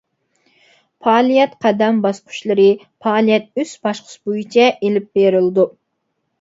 پائالىيەت قەدەم-باسقۇچلىرى: پائالىيەت ئۈچ باسقۇچ بويىچە ئېلىپ بېرىلىدۇ.